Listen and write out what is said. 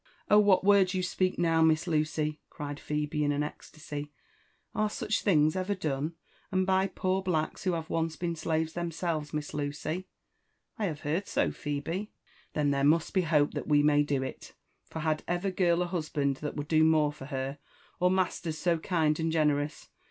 " Oh, what words you speak now, Miss Lucy \" cried Phebe in an ecstasy. Aj^/such things ever done — and by poor blacks who have once been slaves t)iemselves, Miss Lucy T '* I have heard so, Phebe."/ Then there must be hope (hat we may do it: for had ever girl a husband that would do more for her ?— or masters so kind and gene rous